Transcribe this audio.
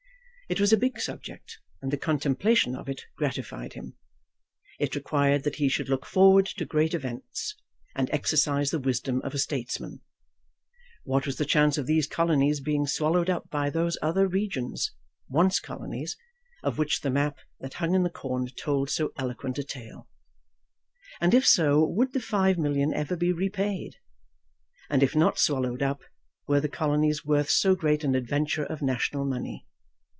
It was a big subject, and the contemplation of it gratified him. It required that he should look forward to great events, and exercise the wisdom of a statesman. What was the chance of these colonies being swallowed up by those other regions, once colonies, of which the map that hung in the corner told so eloquent a tale? And if so, would the five million ever be repaid? And if not swallowed up, were the colonies worth so great an adventure of national money?